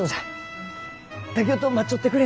竹雄と待っちょってくれんか？